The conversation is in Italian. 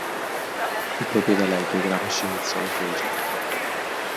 Fu proprio da lei che Gramsci iniziò le sue ricerche.